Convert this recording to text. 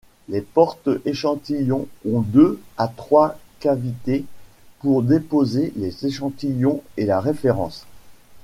Les portes-échantillons ont deux à trois cavités pour déposer les échantillons et la référence.